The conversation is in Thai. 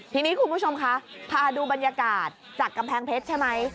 ทีนี้คุณผู้ชมคะพาดูบรรยากาศจากกำแพงเพชรใช่ไหม